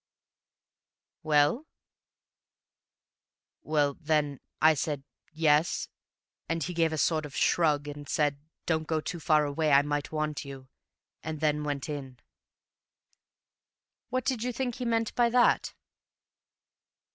"Well?" "Well, then, I said 'Yes,' and he gave a sort of shrug, and said, 'Don't go too far away, I might want you'; and then went in." "What did you think he meant by that?"